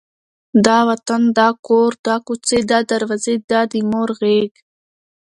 دا وطن، دا کور، دا کوڅې، دا دروازې، دا د مور غېږ،